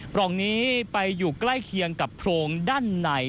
ปล่องนี้ไปอยู่ใกล้เคียงกับโพรงด้านใน